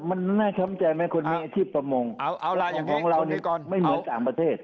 มันน่าช้ำใจไหมคนมีอาชีพประมงเอาล่ะอย่างของเราเนี่ยไม่เหมือนต่างประเทศ